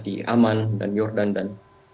di aman dan jordan dan